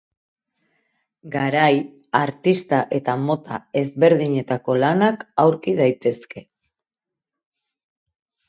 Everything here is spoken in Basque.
Garai, artista eta mota ezberdinetako lanak aurki daitezke.